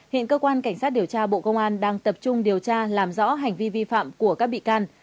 hiện cơ quan cảnh sát điều tra bộ công an đang tập trung điều tra làm rõ hành vi vi phạm của các bị can